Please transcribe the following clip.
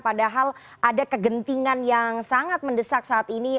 padahal ada kegentingan yang sangat mendesak saat ini